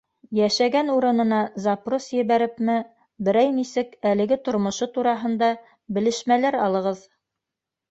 Йәшәгән урынына запрос ебәрепме, берәй нисек әлеге тормошо тураһында белешмәләр алығыҙ.